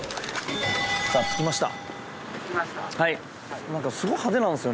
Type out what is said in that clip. さあ着きました。